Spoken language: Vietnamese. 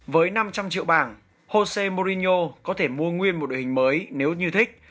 với năm trăm linh triệu bảng jose morino có thể mua nguyên một đội hình mới nếu như thích